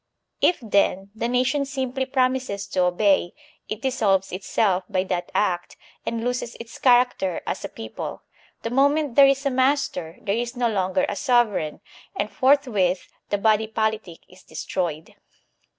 If then, the nation simply promises to obey, it dissolves itself by that act and loses its character as a people; the moment there tf a master, there is no longer a sovereign, and forthwitn the body politic is destroyed.